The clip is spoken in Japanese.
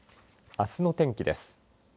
あすの天気です。